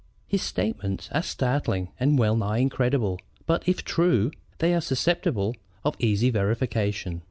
His statements are startling and well nigh incredible, but if true, they are susceptible of easy verification.